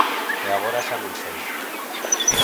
E agora xa non sei.